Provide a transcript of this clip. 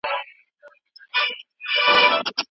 تاسي د ټولنپوهنې په اړه څه پوهېږئ؟